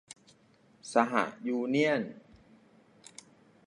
สหยูเนี่ยน